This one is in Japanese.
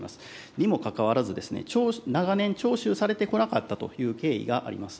にもかかわらず、長年、徴収されてこなかったという経緯があります。